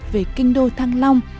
về kinh đô thăng long